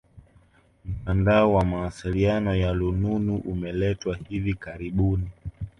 Mtandao wa mawasiliano ya lununu umeletwa hivi karibuni